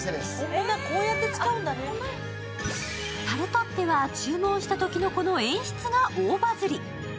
ｔａｒｔｏｔｔｅは注文したときの、この演出が大バズり。